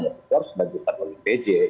itu harus dilaksanakan oleh pj